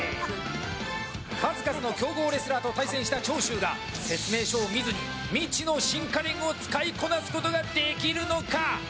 数々の強豪レスラーと対戦した長州が説明書を見ずに未知の新家電を使いこなすことができるのか。